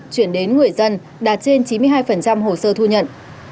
chuyển đến người dân đạt trên chín mươi hai hồ sơ thu nhận